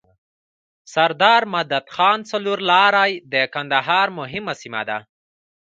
سردار مدد خان څلور لاری د کندهار مهمه سیمه ده.